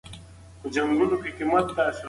هغه په ډېر مهارت سره کیسه زمزمه کوله.